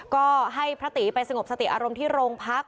ก็ให้พระตีไปสงบสติอารมณ์ที่โรงพัก